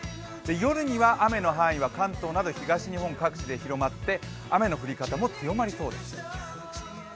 夜には雨の範囲は関東など東日本各地で広まって、雨の降り方も強まりそうです。